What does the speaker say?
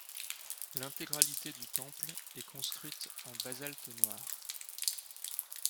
L'intégralité du temple est construite en basalte noir.